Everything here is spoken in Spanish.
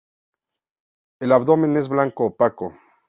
El abdomen es blanco opaco.